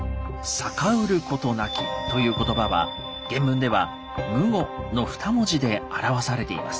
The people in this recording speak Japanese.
「忤うることなき」ということばは原文では「無忤」の２文字で表されています。